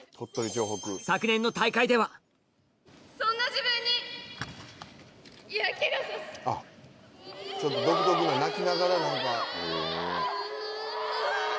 昨年の大会ではちょっと独特な泣きながら。